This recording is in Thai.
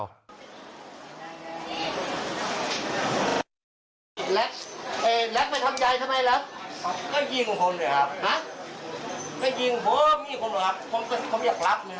นี่แย่ละครับสารเหตุมาจากอะไร